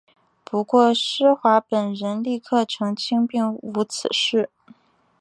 不过施华本人立刻澄清并无此事。